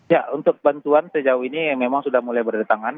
ya untuk bantuan sejauh ini memang sudah mulai berdatangan